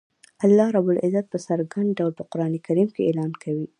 الله رب العزت په څرګند ډول په قران کریم کی اعلان کوی